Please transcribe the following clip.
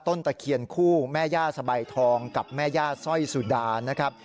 ตะเคียนคู่แม่ย่าสบายทองกับแม่ย่าสร้อยสุดานะครับ